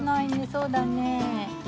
そうだねえ。